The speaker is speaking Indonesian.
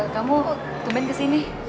kamu tumben ke sini